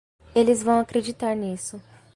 Eles vão acreditar nisso.